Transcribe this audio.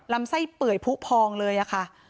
ลำไส้เปื่อยผู้พองเลยค่ะ